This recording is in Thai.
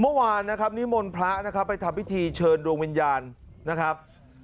เมื่อวานนะครับนิมนต์พระนะครับไปทำพิธีเชิญดวงวิญญาณนะครับ